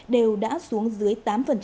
đều đã xuống dưới tám